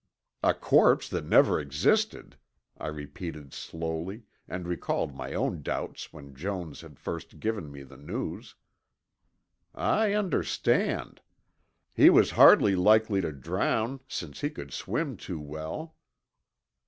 "A corpse that never existed," I repeated slowly and recalled my own doubts when Jones had first given me the news. "I understand. He was hardly likely to drown, since he could swim too well."